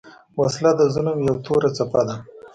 وسله د ظلم یو توره څپه ده